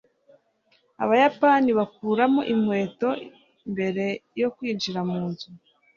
abayapani bakuramo inkweto mbere yo kwinjira munzu